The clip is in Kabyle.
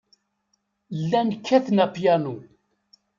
Llan kkaten apyanu.